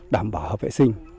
đảm bảo hợp vệ sinh